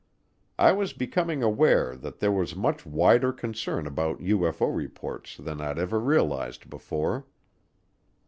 I was becoming aware that there was much wider concern about UFO reports than I'd ever realized before.